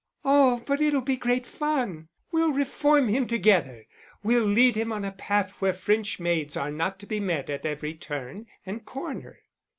"Oh, but it'll be great fun. We'll reform him together. We'll lead him on a path where French maids are not to be met at every turn and corner."